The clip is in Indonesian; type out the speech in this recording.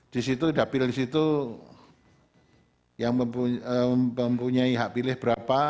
di situ dapil di situ yang mempunyai hak pilih berapa